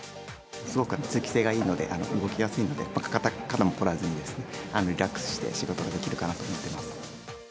すごく通気性がいいので、動きやすいんで、肩もこらずにリラックスして仕事ができるかなと思っています。